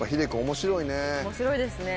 面白いですね。